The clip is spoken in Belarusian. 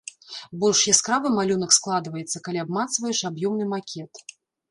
Больш яскравы малюнак складваецца, калі абмацваеш аб'ёмны макет.